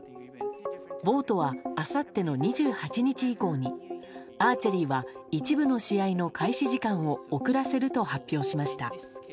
ボートはあさっての２８日以降にアーチェリーは一部の試合の開始時間を遅らせると発表しました。